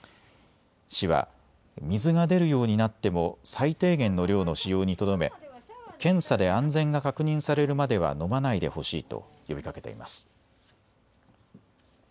市は水が出るようになっても最低限の量の使用にとどめ検査で安全が確認されるまでは飲まないでほしいと呼びかけています。